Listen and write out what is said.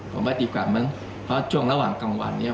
ผมว่าดีกว่ามั้งเพราะว่าช่วงระหว่างกลางวันเนี่ย